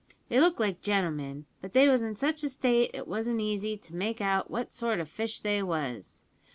They looked like gentlemen; but they was in such a state it wasn't easy to make out what sort o' fish they was.